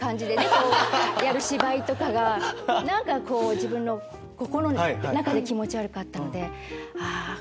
こうやる芝居とかが何かこう自分の心の中で気持ち悪かったのであぁ